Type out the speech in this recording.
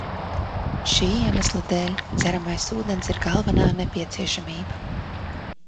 Šī iemesla dēļ dzeramais ūdens ir galvenā nepieciešamība.